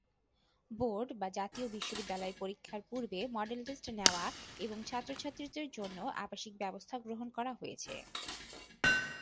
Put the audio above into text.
বোর্ড/জাতীয় বিশ্ববিদ্যালয়ের পরীক্ষার পূর্বে মডেল টেস্ট নেওয়া এবং ছাত্র/ছাত্রীদের জন্য আবাসিক ব্যবস্থা গ্রহণ করা হয়েছে।